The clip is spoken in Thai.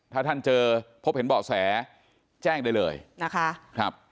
ถ้าท่านเจอพบเห็นเบาะแสแจ้งได้เลยนะคะครับ